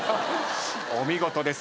お見事です。